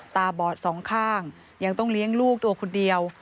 ตาบอดสองข้างยังต้องเลี้ยงลูกตัวคนเดียว